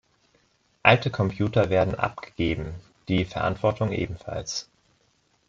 Alte Computer werden abgegeben, die Verantwortung ebenfalls.